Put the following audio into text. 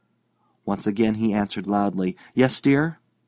Once again he answered loudly: "Yes, dear!"